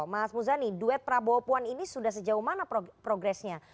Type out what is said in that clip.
mas muzani duet prabowo puan ini sudah sejauh mana progresnya